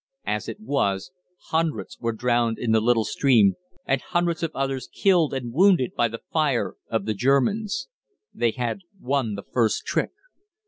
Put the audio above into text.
As it was, hundreds were drowned in the little stream, and hundreds of others killed and wounded by the fire of the Germans. They had won the first trick.